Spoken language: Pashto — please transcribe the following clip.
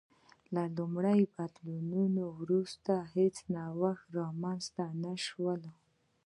له لومړنیو بدلونونو وروسته هېڅ نوښتونه رامنځته نه شول